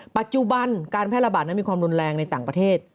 ปัจจุบันการแพร่ระบาดนั้นมีความรุนแรงในต่างประเทศ